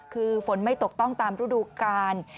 คือฝนไม่ตกต้องตามฤดูกาล